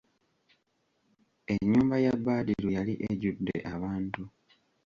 Ennyumba ya Badru yali ejjudde abantu.